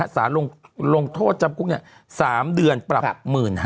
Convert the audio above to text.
สารลงโทษจำคุก๓เดือนปรับ๑๕๐๐